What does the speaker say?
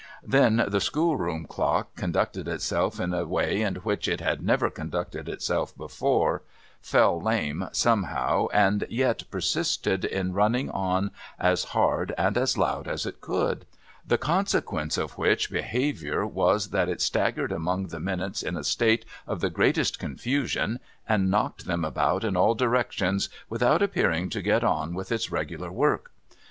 'I'hen, the school room clock conducted itself in a way in which it had never conducted itself before — fell lame, somehow, A SOLITARY DAY 271 and yet persisted in running on as hard and as loud as it could : the consequence of which behaviour was, that it staggered among the minutes in a state of the greatest confusion, and knocked them about in all directions without appearing to get on with its regular work.